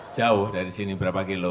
jauh dari sini berapa kilo